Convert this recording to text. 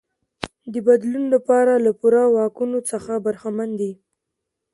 د بدلون لپاره له پوره واکونو څخه برخمن دی.